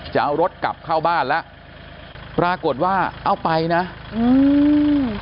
จะเอารถกลับเข้าบ้านแล้วปรากฏว่าเอาไปนะอืม